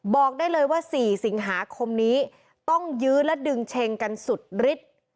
บอกได้เลยว่า๔สิงหาคมนี้ต้องยื้อและดึงเชงกันสุดฤทธิ์